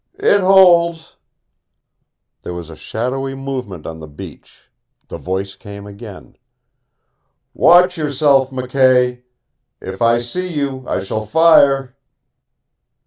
"It holds." There was a shadowy movement on the beach. The voice came again. "Watch yourself, McKay. If I see you I shall fire!"